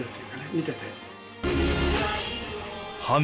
見てて。